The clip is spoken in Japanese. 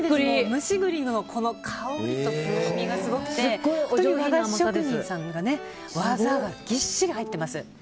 蒸し栗の香りと風味がすごくて和菓子職人さんの技がぎっしり入ってます。